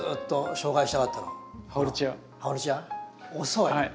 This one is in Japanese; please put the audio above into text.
遅い！